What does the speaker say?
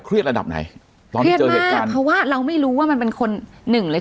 เครียดระดับไหนเครียดมากเพราะว่าเราไม่รู้ว่ามันเป็นคนหนึ่งเลย